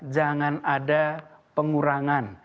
jangan ada pengurangan